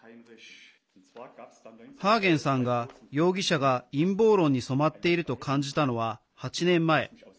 ハーゲンさんが容疑者が陰謀論に染まっていると感じたのは、８年前。